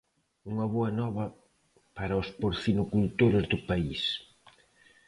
Unha boa nova para os porcinocultores do país.